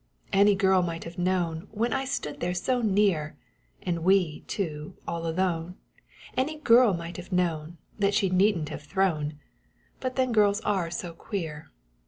Any girl might have known When I stood there so near! And we two all alone Any girl might have known That she needn't have thrown! But then girls are so queer!